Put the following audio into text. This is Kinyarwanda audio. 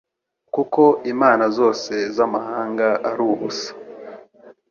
kuko imana zose z’amahanga ari ubusa